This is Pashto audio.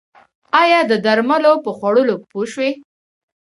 ایا د درملو په خوړلو پوه شوئ؟